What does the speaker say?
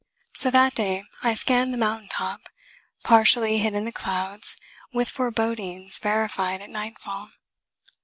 So that day I scanned the mountain top, partially hid in the clouds, with forebodings verified at nightfall.